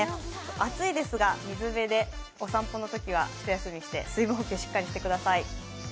暑いですが、水辺でお散歩のときは一休みして水分補給をしっかりしてください。